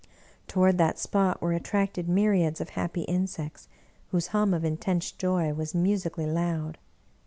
Toward that spot were attracted myriads of happy insects, whose hum of intense joy was 98 Bulwer Lytton musically loud.